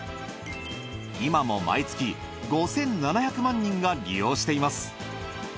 今も毎月５，７００万人が利用しています。